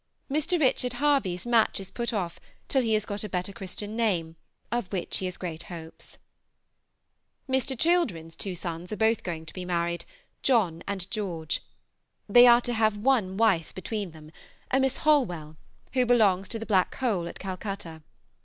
Mr. Richard Harvey's match is put off till he has got a better Christian name, of which he has great hopes. Mr. Children's two sons are both going to be married, John and George. They are to have one wife between them, a Miss Holwell, who belongs to the Black Hole at Calcutta.